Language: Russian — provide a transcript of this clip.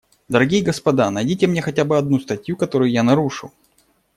Дорогие господа, найдите мне хотя бы одну статью, которую я нарушил.